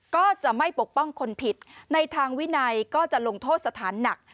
ก็จะไม่ปกป้องคนผิดในทางวินัยก็จะลงโทษสถานหนัก